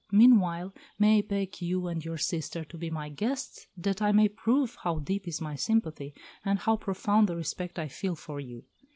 Meanwhile, may I beg you and your sister to be my guests, that I may prove how deep is my sympathy, and how profound the respect I feel for you."